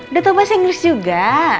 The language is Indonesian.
udah tuh bahasa inggris juga